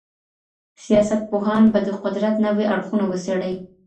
سياستپوهان به د قدرت نوي اړخونه وڅېړي.